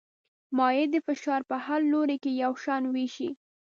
مایع د فشار په هر لوري کې یو شان وېشي.